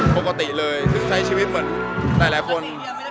ปกติเลยคือใช้ชีวิตเหมือนหลายคน